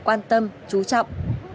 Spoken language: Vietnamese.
quan tâm chú trọng